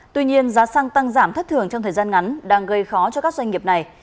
tuy nhiên giá xăng tăng giảm thất thường trong thời gian ngắn đang gây khó cho các doanh nghiệp này